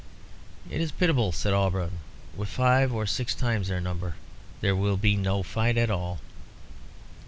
"It is pitiful," said Auberon. "With five or six times their number, there will be no fight at all."